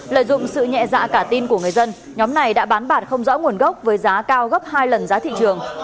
lợi dụng sự nhẹ dạ cả tin của người dân nhóm này đã bán bản không rõ nguồn gốc với giá cao gấp hai lần giá thị trường